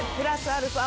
アルファ